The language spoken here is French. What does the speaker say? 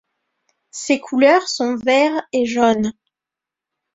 Ses couleurs sont Vert et Jaune.